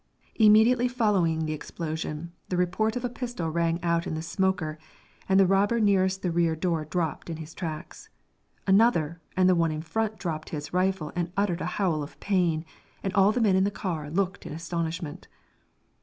Immediately following the explosion the report of a pistol rang out in the smoker, and the robber nearest the rear door dropped in his tracks. Another, and the one in front dropped his rifle and uttered a howl of pain, and all the men in the car looked in astonishment.